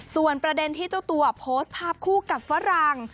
ส่วนประเด็นที่เจ้าตัวโพสต์ภาพคู่กับฝรั่ง